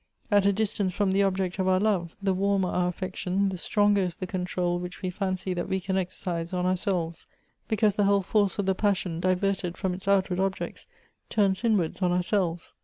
At a dis tance from the object of our love, the warmer our affec tion, the stronger is the control which we fancy that we can exercise on ourselves ; because the whole force of the passion, diverted from its outward objects, turns inwards on ourselves.